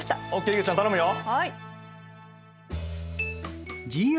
いげちゃん頼むよ。